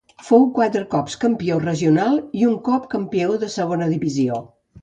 Fou quatre cops campió regional i un cop campió de Segona Divisió.